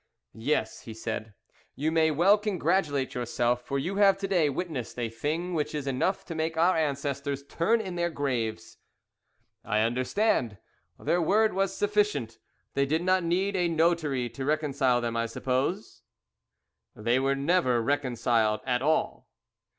"Yes," he said, "you may well congratulate yourself, for you have to day witnessed a thing which is enough to make our ancestors turn in their graves." "I understand their word was sufficient; they did not need a notary to reconcile them, I suppose?" "They were never reconciled at all."